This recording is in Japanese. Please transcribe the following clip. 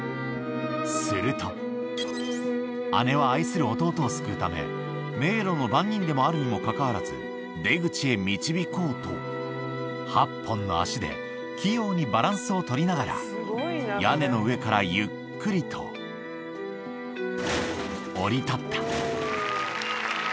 すると、姉は愛する弟を救うため、迷路の番人でもあるにもかかわらず、出口へ導こうと、８本の足で器用にバランスを取りながら、屋根の上からゆっくりと、下り立った。